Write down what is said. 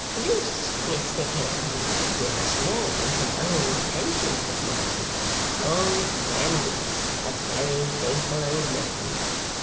'This, Mr Clennam, you must know, is an old pensioner of mine, Old Nandy, a very faithful old man.